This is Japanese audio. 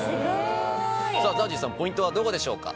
さあＺＡＺＹさんポイントはどこでしょうか？